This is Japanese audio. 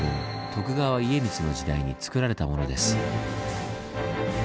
徳川家光の時代につくられたものです。